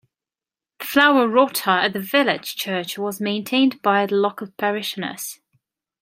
The flower rota at the village church was maintained by the local parishioners